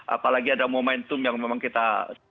apalagi ada momentum yang memang kita